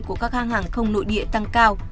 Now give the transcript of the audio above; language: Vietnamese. của các hãng hàng không nội địa tăng cao